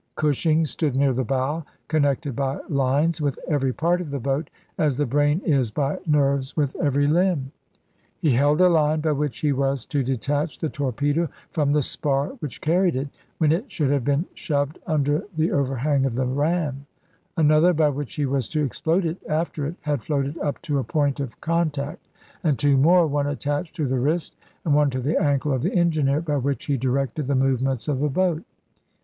Cushing stood near the bow, connected by lines with every part of the boat as the brain is by nerves with every limb. He held a line by which he was to de tach the torpedo from the spar which carried it, when it should have been shoved under the over hang of the ram; another, by which he was to explode it after it had floated up to a point of con tact ; and two more, one attached to the wrist and one to the ankle of the engineer, by which he directed the movements of the boat.